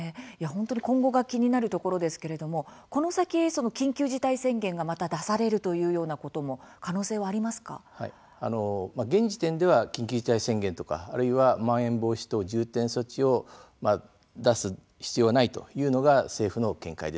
本当に今後が気になるところですけれどもこの先、緊急事態宣言がまた出されるというようなことも現時点では緊急事態宣言とか、あるいはまん延防止等重点措置を出す必要はないというのが政府の見解です。